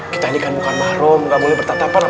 kita ini kan bukan mahrum gak boleh bertatapan